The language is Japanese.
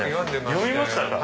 読みましたか！